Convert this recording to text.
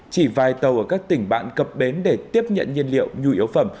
chỉ vài tàu ở các tỉnh bạn cập bến để tiếp nhận nhiên liệu nhu yếu phẩm